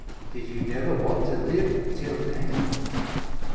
Did you never want to live till now?"